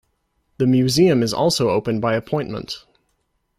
The museum is also open by appointment.